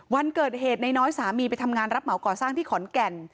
วันเกิดเหตุนายน้อยสามีไปทำงานรับเหมาก่อสร้างที่ขอนแก่น